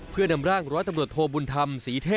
เพื่อดำร่างร้อยตำรวจโทบุลธรรม